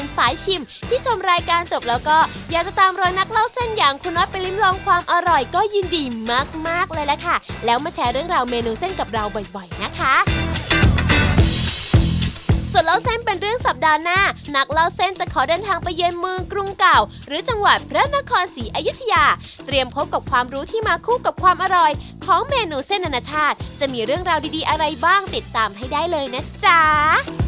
ส่วนเล่าเส้นเป็นเรื่องสัปดาห์หน้านักเล่าเส้นจะขอเดินทางไปเยือนเมืองกรุงเก่าหรือจังหวัดพระนครศรีอยุธยาเตรียมพบกับความรู้ที่มาคู่กับความอร่อยของเมนูเส้นอนาชาติจะมีเรื่องราวดีอะไรบ้างติดตามให้ได้เลยนะจ๊ะ